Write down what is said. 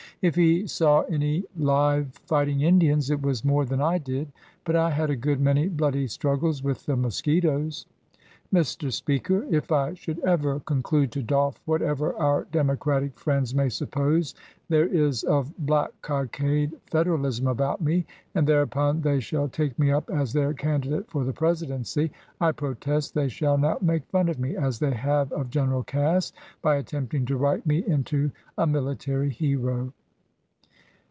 If he saw any live, fighting Indians, it was more than I did; but I had a good many bloody struggles with the mosquitos. Mr. Speaker, if I should ever con clude to doff whatever our Democratic friends may suppose there is of black cockade Feder alism about me, and thereupon they shall take me up as their candidate for the Presidency, I pro test they shall not make fun of me, as they have of General Cass, by attempting to write me into a military hero."